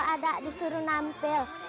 ada disuruh nampil